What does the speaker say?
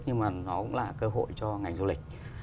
nhưng mà nó cũng là cơ hội cho ngành du lịch